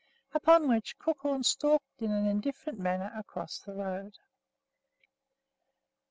Upon which, Crookhorn stalked in an indifferent manner across the road.